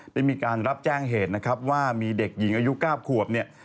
ได้มีการรับแจ้งเหตุนะครับว่ามีเด็กหญิงอายุ๙ขวบเนี่ย